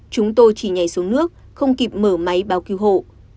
chúng tôi chỉ nhảy xuống nước không kịp mở máy báo cứu hộ